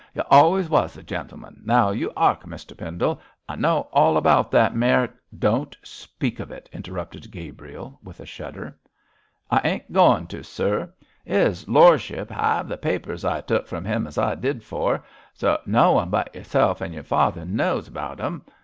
Y' allays wos a gentleman. Now you 'ark, Mr Pendle; I knows all about that mar ' 'Don't speak of it!' interrupted Gabriel, with a shudder. 'I ain't goin' to, sir. His lor'ship 'ave the papers I took from him as I did for; so no one but yerself an' yer father knows about 'em.